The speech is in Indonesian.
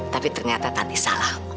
tapi ternyata tante salah